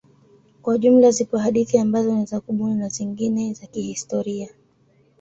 Kwa jumla zipo hadithi ambazo ni za kubuni na zingine za kihistoria.